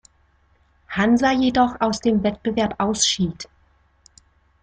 Hansa jedoch aus dem Wettbewerb ausschied.